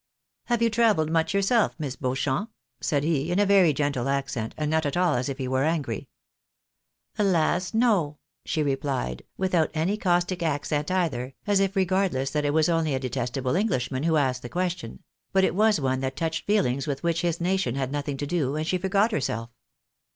"Have you travelled much yourself, Miss Beauchamp?" said he, in a very gentle accent, and not at all as if he were angry. " Alas, no !" she replied, without any caustic accent either, as if regardless that it was only a detestable Englishman who asked the question ; but it was one that touched feelings with which his nation had nothing to do, and she forgot herself.